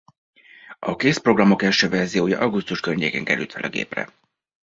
A kész programok első verziója augusztus környékén került fel a gépre.